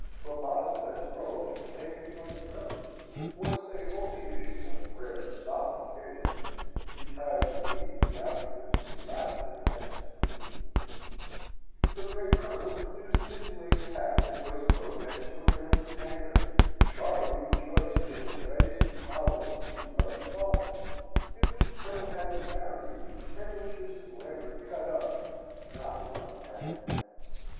Mamma's best robes were taken from the presses, whence they only issued on rare, solemn occasions, retiring immediately afterwards to lavender and seclusion; the brave Colonel produced his laced hat and waistcoat and silver hilted hanger; Charley rejoiced in a rasee holiday suit of his father's, in which the Colonel had been married, and which Mrs. Lambert cut up, not without a pang.